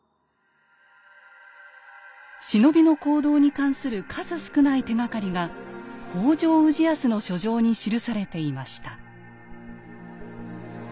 忍びの行動に関する数少ない手がかりが北条氏康の書状に記されていました。